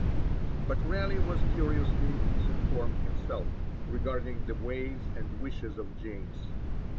But Raleigh was curiously misinformed himself regarding the ways and wishes of James.